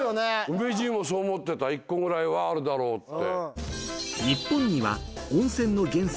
梅じいもそう思ってた１個ぐらいはあるだろうって。